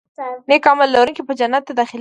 نیک عمل لرونکي به جنت ته داخلېږي.